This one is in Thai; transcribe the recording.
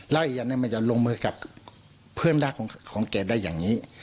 แล้วอีกอย่างหนึ่งมันจะลงมือกับเพื่อนรักของแกได้อย่างนี้